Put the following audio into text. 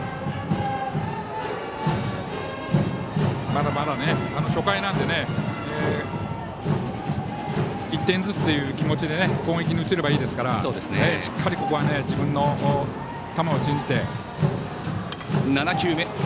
まだまだ初回なので１点ずつという気持ちで攻撃に移ればいいですからしっかりここは自分の球を信じて。